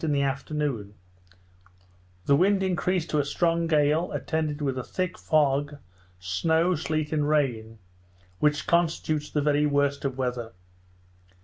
In the afternoon the wind increased to a strong gale, attended with a thick fog, snow, sleet, and rain, which constitutes the very worst of weather.